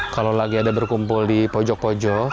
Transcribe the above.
kalau lagi ada berkumpul di pojok pojok